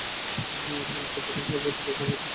এটি বাংলাদেশের প্রধান ও সর্ববৃহৎ লোকোমোটিভ কারখানা।